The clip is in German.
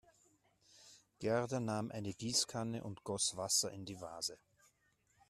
Gerda nahm eine Gießkanne und goss Wasser in die Vase.